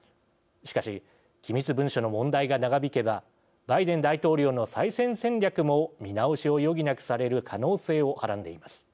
しかし、機密文書の問題が長引けばバイデン大統領の再選戦略も見直しを余儀なくされる可能性をはらんでいます。